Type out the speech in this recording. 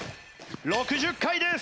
６０回です。